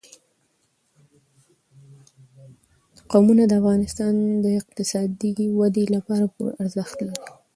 قومونه د افغانستان د اقتصادي ودې لپاره پوره ارزښت لري.